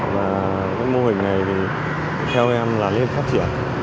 và cái mô hình này thì theo em là lên phát triển